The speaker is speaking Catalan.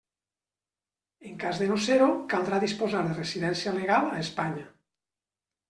En cas de no ser-ho, caldrà disposar de residència legal a Espanya.